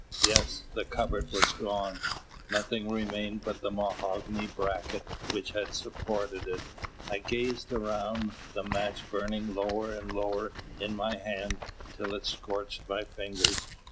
Yes, the cupboard was gone! Nothing remained but the mahogany bracket which had supported it. I gazed around, the match burning lower and lower in my hand till it scorched my fingers.